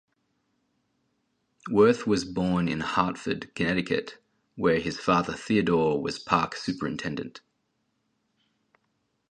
Wirth was born in Hartford, Connecticut, where his father Theodore was park superintendent.